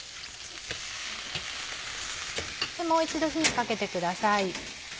もう一度火にかけてください。